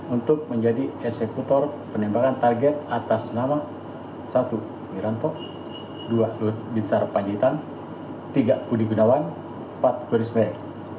untuk menjadi eksekutor penembakan target atas nama satu miranto dua lodisar panjitan tiga kudigunawan empat berismerik